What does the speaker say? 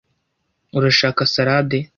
urashaka salade